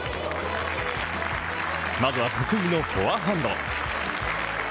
まずは得意のフォアハンド。